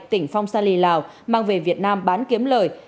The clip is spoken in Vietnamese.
tỉnh phong sa lì lào mang về việt nam bán kiếm lời